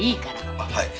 あっはい。